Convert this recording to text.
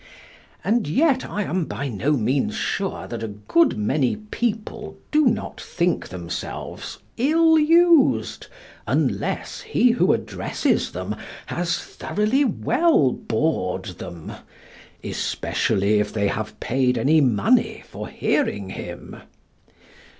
And yet I am by no means sure that a good many people do not think themselves ill used unless he who addresses them has thoroughly well bored them especially if they have paid any money for hearing him.